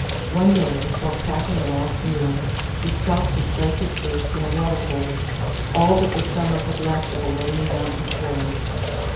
One day, while tracking a lost mule, he stopped to slake his thirst in a waterhole all that the summer had left of a lonely mountain torrent.